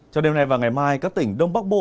cho đêm nay và ngày mai các tỉnh đông bắc bộ